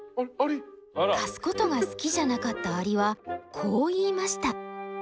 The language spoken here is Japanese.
貸すことが好きじゃなかったアリはこう言いました。